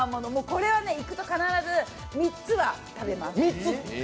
これは行くと必ず３つは食べます。